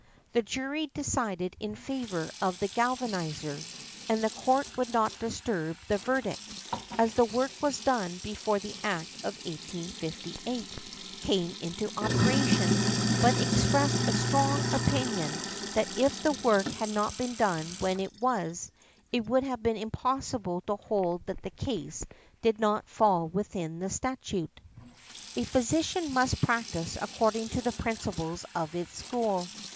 The jury decided in favour of the galvanizer, and the court |52| would not disturb the verdict, as the work was done before the Act of 1858 came into operation, but expressed a strong opinion that if the work had not been done when it was, it would have been impossible to hold that the case did not fall within the statute . A physician must practise according to the principles of his school.